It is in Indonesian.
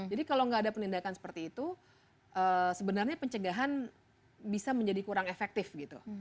jadi kalau gak ada penindakan seperti itu sebenarnya pencegahan bisa menjadi kurang efektif gitu